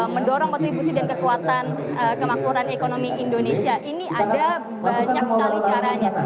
mendorong kontribusi dan kekuatan kemakmuran ekonomi indonesia ini ada banyak sekali caranya